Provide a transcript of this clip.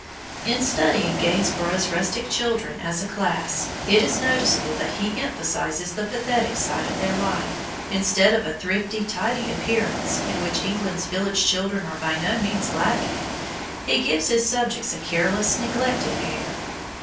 In studying Gainsborough's rustic children as a class, it is noticeable that he emphasizes the pathetic side of their life; instead of a thrifty, tidy appearance, in which England's village children are by no means lacking, he gives his subjects a careless, neglected air.